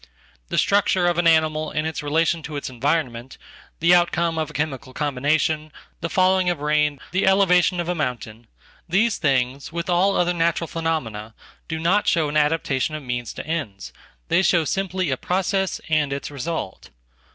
The structure of ananimal and its relation to its environment, the outcome of achemical combination, the falling of rain, the elevation of amountain, these things, with all other natural phenomena, do notshow an adaptation of means to ends, they show simply a process andits result.